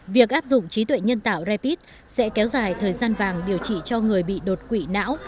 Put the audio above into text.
việc áp dụng trí tuệ nhân tạo rapid sẽ kéo dài thời gian vàng điều trị cho người bị đột quỵ não